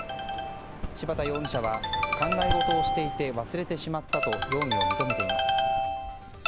柴田容疑者は考え事をしていて忘れてしまったと容疑を認めています。